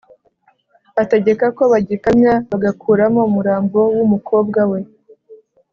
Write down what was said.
ategeka ko bagikamya bagakuramo umurambo w umukobwa we